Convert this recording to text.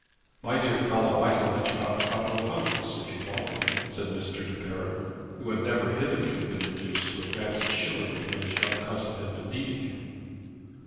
"My dear fellow, I can let you have a couple of hundreds, if you want them," said Mr. De Baron, who had never hitherto been induced to advance a shilling when his young cousin had been needy.